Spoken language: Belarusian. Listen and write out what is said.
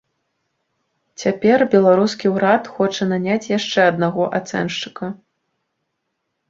Цяпер беларускі ўрад хоча наняць яшчэ аднаго ацэншчыка.